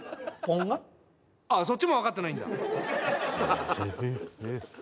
そっちも分かってないんだ